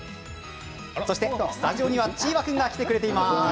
そして、スタジオにはチーバくんが来てくれています。